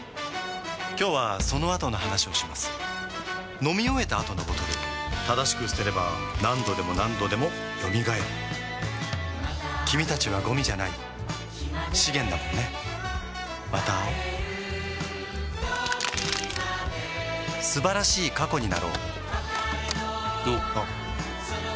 今日はそのあとの話をします飲み終えた後のボトル正しく捨てれば何度でも何度でも蘇る君たちはゴミじゃない資源だもんねまた会おう素晴らしい過去になろうおっおっ